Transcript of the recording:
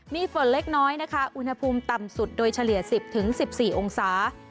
มีฝนเล็กน้อยนะคะอุณหภูมิต่ำสุดโดยเฉลี่ย๑๐๑๔องศา